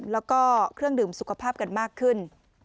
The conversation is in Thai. แล้วก็เครื่องดื่มสุขภาพกันมากขึ้น